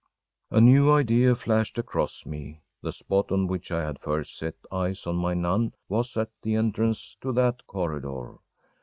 ‚ÄĚ A new idea flashed across me. The spot on which I had first set eyes on my nun was at the entrance to that corridor.